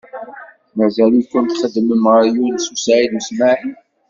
Mazal-iken txeddmem ɣer Yunes u Saɛid u Smaɛil?